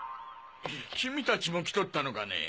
君たちも来とったのかね。